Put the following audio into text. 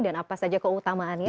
dan apa saja keutamaannya